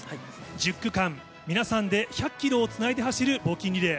１０区間、皆さんで１００キロをつないで走る募金リレー。